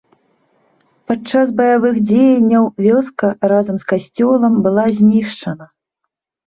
Пад час баявых дзеянняў вёска разам з касцёлам была знішчана.